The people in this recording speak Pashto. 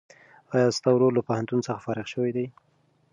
ایا ستا ورور له پوهنتون څخه فارغ شوی دی؟